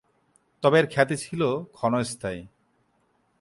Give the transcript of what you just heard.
তবে এর খ্যাতি ছিল ক্ষণস্থায়ী।